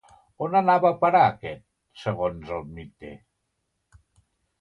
On anava a parar aquest, segons el mite?